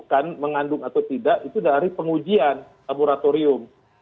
kan mengandung atau tidak itu dari pengujian laboratorium